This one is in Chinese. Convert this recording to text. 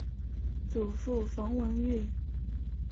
祖父冯文玉。